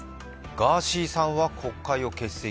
ガーシーさんは国会を欠席。